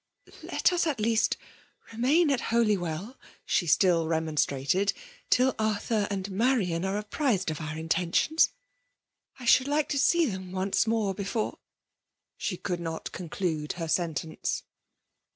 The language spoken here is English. "Let us at least remain at Holywell/' she still remonstrated, " till Arthur and Marian are apprized of our intentions. I should like to see them once more before " She could not conclude her sentence